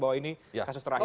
bahwa ini kasus terakhir